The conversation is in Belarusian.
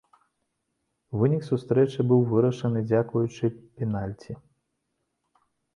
Вынік сустрэчы быў вырашаны дзякуючы пенальці.